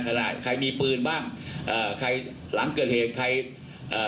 ใครมีปืนบ้างเอ่อใครหลังเกิดเหตุใครเอ่อ